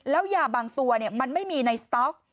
แล้วยาบางตัวมันไม่มีในสต๊อก